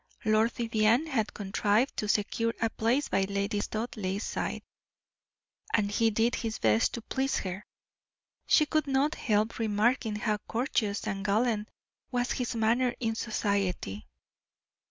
Lord Vivianne had contrived to secure a place by Lady Studleigh's side, and he did his best to please her. She could not help remarking how courteous and gallant was his manner in society.